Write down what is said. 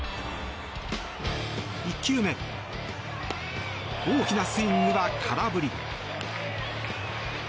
１球目大きなスイングは空振り。